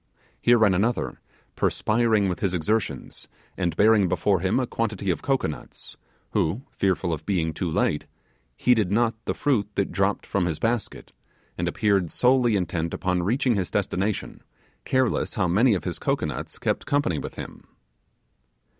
Here ran another, perspiring with his exertions, and bearing before him a quantity of cocoanuts, who, fearful of being too late, heeded not the fruit that dropped from his basket, and appeared solely intent upon reaching his destination, careless how many of his cocoanuts kept company with him.